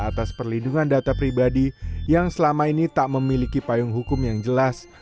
atas perlindungan data pribadi yang selama ini tak memiliki payung hukum yang jelas